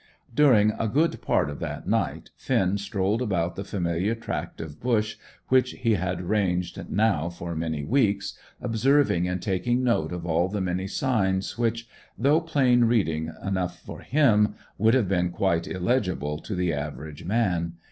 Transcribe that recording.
During a good part of that night Finn strolled about the familiar tract of bush, which he had ranged now for many weeks, observing and taking note of all the many signs which, though plain reading enough for him, would have been quite illegible to the average man.